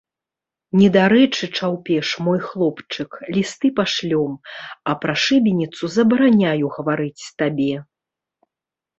Недарэчы чаўпеш, мой хлопчык, лісты пашлём, а пра шыбеніцу забараняю гаварыць табе.